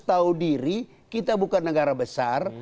tahu diri kita bukan negara besar